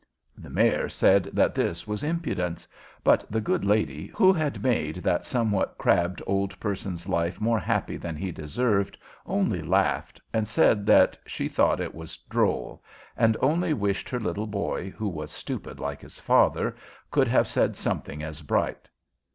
The Mayor said that this was impudence; but the good lady, who had made that somewhat crabbed old person's life more happy than he deserved, only laughed, and said that she thought it was droll, and only wished her little boy, who was stupid like his father, could have said something as bright.